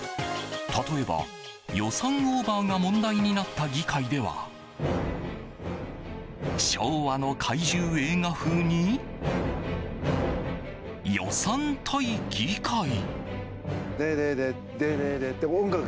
例えば、予算オーバーが問題になった議会では昭和の怪獣映画風に「ヨサン対ギカイ」。